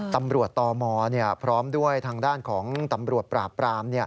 ตมพร้อมด้วยทางด้านของตำรวจปราบปราม